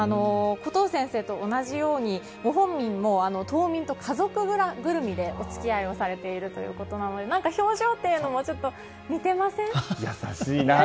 コトー先生と同じように本人も島民と家族ぐるみでお付き合いをされているということで何か表情もちょっと似てません？